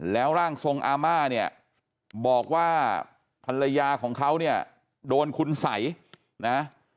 แล้วร่างทรงอาม่าเนี่ยบอกว่าภรรยาของเขาเนี่ยโดนคุณสัยนะ